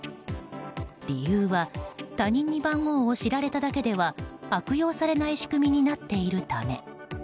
理由は、他人に番号を知られただけでは悪用されない仕組みになっているため。